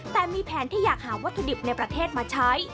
แต่มีแผนที่อยากหาวัตถุดิบในประเทศมาใช้